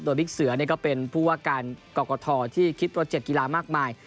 โดยวิทย์เสือเนี่ยก็เป็นผู้ว่าการกอกกอทอที่คิดโปรเจคกีฬามากมาย